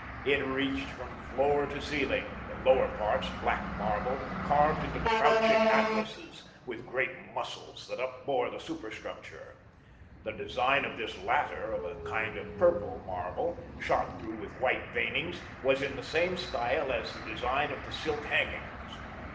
It reached from floor to ceiling; the lower parts, black marble, carved into crouching Atlases, with great muscles that upbore the superstructure. The design of this latter, of a kind of purple marble, shot through with white veinings, was in the same style as the design of the silk hangings.